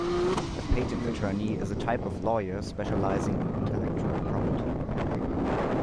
A patent attorney is a type of lawyer specialising in intellectual property